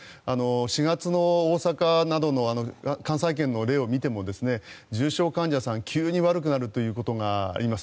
４月の大阪などの関西圏の例を見ても重症患者さん急に悪くなるということがあります。